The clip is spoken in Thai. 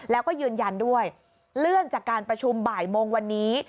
แล้วก็ยืนยันด้วยเลื่อนจากการประชุมบ่ายโมงวันนี้